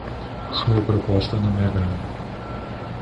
Sua proposta não me agrada